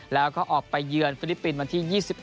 แล้วก็ออกไปเยือนฟิลิปปินส์วันที่๒๑